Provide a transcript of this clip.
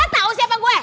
gak tau siapa gue